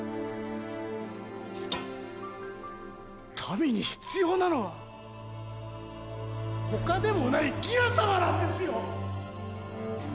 民に必要なのは他でもないギラ様なんですよ！